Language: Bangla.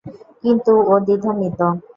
কিন্তু ও দ্বিধান্বিত।